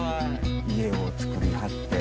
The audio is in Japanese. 家を造りはって。